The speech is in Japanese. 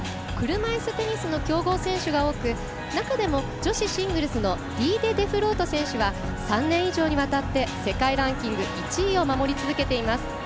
車いすテニスの強豪選手が多く中でも女子シングルスのディーデ・デフロート選手は３年以上にわたって世界ランキング１位を守り続けています。